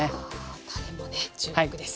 たれもね注目です。